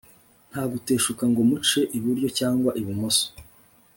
nta guteshuka ngo muce iburyo cyangwa ibumoso